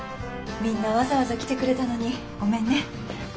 みんなわざわざ来てくれたのにごめんね。